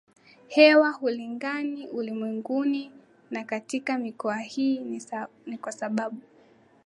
hewa hakulingani ulimwenguni na katika mikoa Hii ni kwa sababu